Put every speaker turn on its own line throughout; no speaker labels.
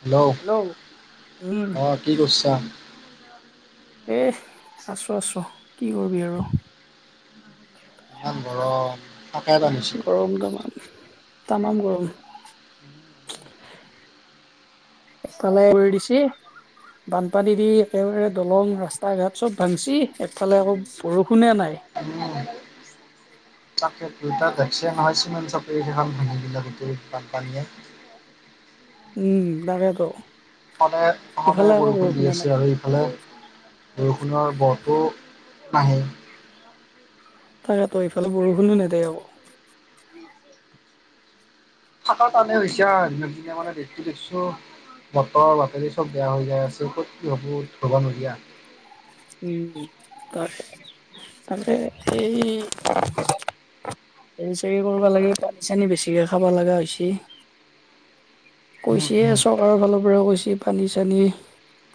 Hello
উম
অ', কি কৰিছা?
এ আছো আছো কি কৰিবি আৰু।
ইমান গৰম [unintelligible]
গৰম তামাম। তামাম গৰম।
[inaudible]
[unintelligible] কৰি দিছে। বানপানী দি একেবাৰে দলং ৰাস্তা ঘাট চব ভাঙচি, একফালে আকৌ বৰষুণে নাই।
[unintelligible] তাকেটো এতিয়া দেখছে নহয় চিমেন চাপৰিকেইখন ভাঙি দিলে গোটেই বানপানীয়ে।
উম, তাকেটো।
সদায় সদায় বৰষুণ দি
নাই
আছে আৰু এইফালে। বৰষুণৰ ব' তো নাহে।
তাকেটো এইফালে বৰষুণো নেদে আকৌ।
[unintelligible] হৈছে আৰু দিনক দিনে মানে [unintelligible] দেখছো বতৰৰ বাতৰি চব বেয়া হৈ যায় আছে ক'ত কি হ'ব ধৰব' নোৱাৰি আৰ।
উম, তাকে তাকে এই হেৰী চেৰি কৰিবা লাগি পাত ছেনী বেছিকে খাব লগা হৈছে।
উম
কৈছে
উম
চৰকাৰৰ ফালৰ পৰাউ কৈছে পানী-চানী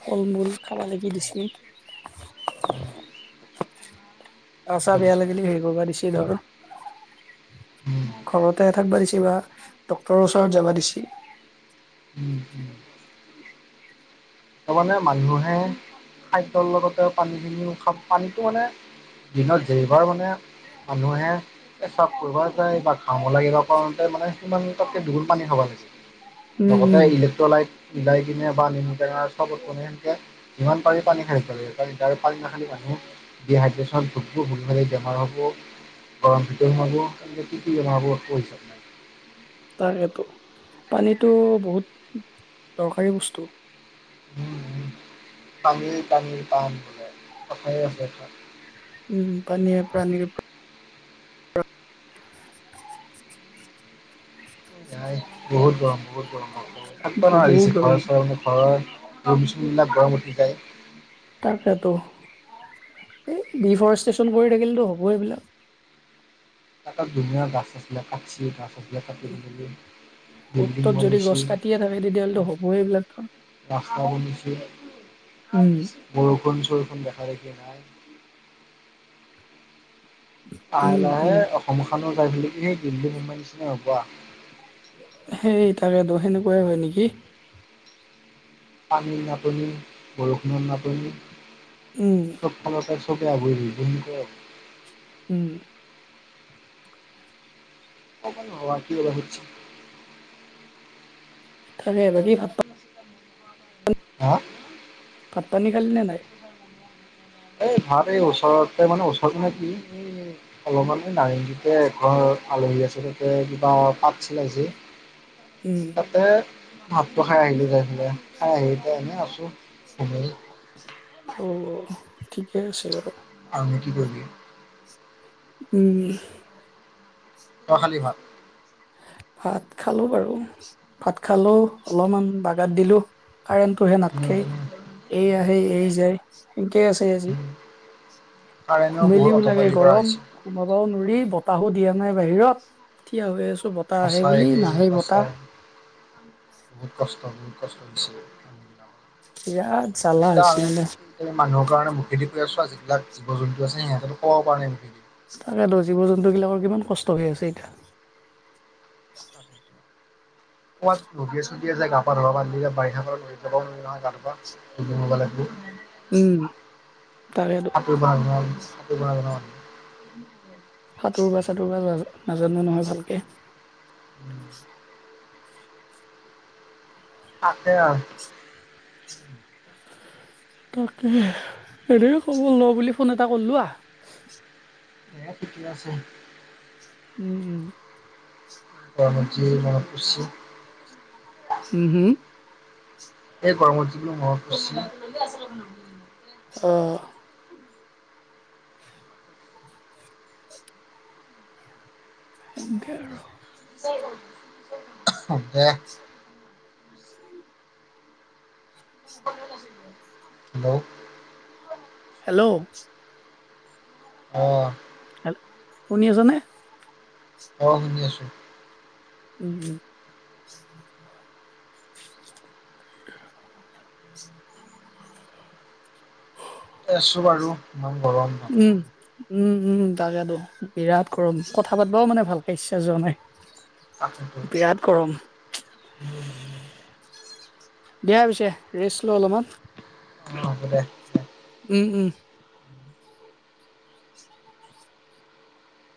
ফল-মূল খাবা লাগি দিছে।
উম
গা চা
ঠিকে
বেয়া
কৈছা
লাগিলি হেৰি কৰিবা দিছে ধৰ।
উম
ঘৰতে থাকবা দিছে বা ডক্তৰৰ ওচৰত যাবা দিছে।
[inaudible] তাৰমানে মানুহে খাদ্যৰ লগতে পানীখিনিও খা পানীটো মানে দিনত যেবাৰ মানে মানুহে পেচাব কৰিব যায় বা ঘাম ওলাই কিবা কাৰণতে মানে সিমান তাতকৈ দুগুণ পানী খাব লাগে
উম
লগতে
উম
ইলেক্ট্ৰলাইট মিলাই কিনে বা নেমু টেঙা তেনেকে যিমান পাৰি পানী খাই থাকিব লাগে পানী নাখালে মানুহ ডিহাইড্ৰ্যছন [unintelligible] বেমাৰ হ'ব গৰম ভিতৰত সোমাব [unintelligible]
তাকেটো পানীটো বহুত দৰকাৰী বস্তু।
উম উম পানীয়েই প্ৰানীৰ প্ৰাণ বোলে কথায়ে আছে এটা।
উম পানীয়েই প্ৰাণীৰ প্ৰা
নাই বহুত গৰম বহুত গৰম ঔ থাকিব
বহুত
নোৱাৰিছে ঘৰ
দৰকাৰ
চৰে ঘৰৰ ৰোমচুমবিলাক গৰম উঠি যায়।
তাকটো এই ডিফৰেষ্টেশ্যন কৰি থাকিলেতো হ'ব এইবিলাক
গোটেই দুনিয়াৰ গাছ চাছবিলাক কাটিচি গাছ আ কাটি মেলি
অ'ত
বিল্ডিং
ত'ত যদি গছ
বনাইছি।
কাটিয়ে থাকে তেতিয়াহ'লেতো হ'ব এইবিলাক কাম
ৰাস্তা বনিছে
উম
বৰষুণ চৰষুণ দেখা দেখি নাই লাহে
উম উম
লাহে অসমখনো যাই কিনে সেই দিল্লী মুম্বাইৰ নিচিনা হ'ব আৰু
সেই তাকেতো সেনেকুৱাই হয় নেকি
পানীৰ নাটনি বৰষুণৰ নাটনি
উম
চব চব ফালৰ পৰা চবে আগুৰি ধৰিব
উম
ক'ব নোৱোৰো আৰু কি হ'ব গৈছে।
তাকে বাকী ভাত
হা
ভাত পানী খালি নে নাই?
এই ভাত এই ওচৰতে মানে ওচৰত মানে কি অলপমান নাৰেংগীতে এঘৰ আলহী আছে তাতে কিবা পাতছিল আজি
উম
দে ভাতটো খাই আহিলো যেন তেন খাই আহি এতিয়া এনেই আছোঁ শুমে
অ ঠিকে আছে বাৰু।
আৰু নো কি কৰিবি।
উম
তই খালি ভাত?
ভাত খালো বাৰু, ভাত খালো অলপমান বাগৰ দিলো। কাৰেণ্টটোহে
উম
নাথকেই
উম
এ আহে এ যায়। সেনেকে আছে আজি
উম কাৰেণ্টেও বহুত
ঘুমেলিও লাগে
অটপালি কৰা
গৰম।
হৈছে
ঘুমাবাও নোৱাৰি বতাহো দিয়া নাই বাহিৰত থিয় হৈ আছোঁ বতাহ আহে
সঁচাই
বুলি
দেই
নাহে বতাহ।
সঁচাই বহুত কষ্ট বহুত কষ্ট হৈছে।
বিৰাত জ্বালা হৈছে মানে।
এই মানুহ কাৰণে মুখেদি কৰি আছো আৰু যিবিলাক জীৱ জন্তু আছে সিহঁতেটো ক'ব পৰা নাই।
তাকেতো জীৱ জন্তু বিলাকৰ কিমান কষ্ট হৈ আছে এতিয়া।
[inaudible] কৰবাত নদীয়ে চদীয়ে যায় গা ধুবা পৰিলি যে বাৰিষা পৰাও নোৱাৰি নহয় গা ধুব। [unintelligible] লাগিব
উম তাকেতো
সাঁতুৰিব নজনা সাঁতুৰিব নজনা মানুহ।
সাঁতুৰিব চাঁতুৰিব নাজানো নহয় ভালকে।
[inaudible] আছে আৰু।
তাকেহে, এনে খবৰ লওঁ বুলি ফোন এটা কৰিলোঁ আ।
এ, ঠিকে আছে।
উম, উম।
[unintelligible]
উম, হুম, হুম।
[unintelligible]
অ। [unintelligible]
[unintelligible] হেল্ল'!
হেল্ল'!
অ।
হেল্ল'! শুনি আছা নে!
অ, শুনি আছোঁ।
উম, উম।
আছো বাৰু! ইমান গৰম ন!
উম, উম, উম, তাকেতো, বিৰাট গৰম! কথা পাতিবও মানে ভালকে ইচ্ছা যোৱা নাই।
তকেটো।
বিৰাট গৰম দিয়া পিছে, ৰেষ্ট লোৱা অলপমান।
অ, হ'ব দে।
উম, উম।